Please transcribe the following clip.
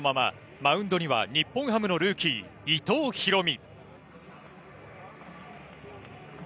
マウンドには日本ハムのルーキー、伊藤大海。